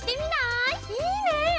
いいね！